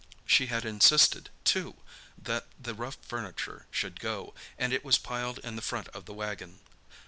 She had insisted, too, that the rough furniture should go, and it was piled in the front of the wagon.